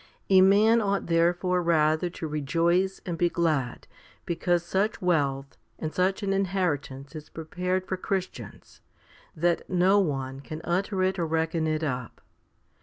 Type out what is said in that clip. A man ought therefore rather to rejoice and be glad because such wealth and such an inheritance is prepared for Christians, that no one can utter it or reckon it up.